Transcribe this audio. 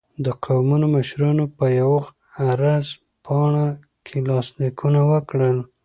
د قومونو مشرانو په یوه عرض پاڼه کې لاسلیکونه وکړل.